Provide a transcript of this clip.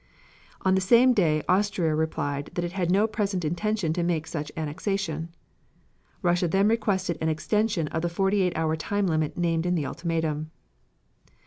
On the same day Austria replied that it had no present intention to make such annexation. Russia then requested an extension of the forty eight hour time limit named in the ultimatum.